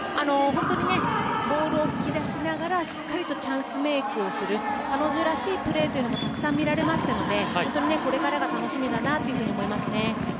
本当に、ボールを引き出しながらしっかりチャンスメイクする彼女らしいプレーもたくさん見られましたのでこれからが楽しみだなと思います。